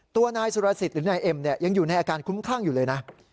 ตัวนายสุรสิทธิ์หรือนายเอ็มเนี่ยยังอยู่ในอาการคุ้มคลั่งอยู่เลยนะ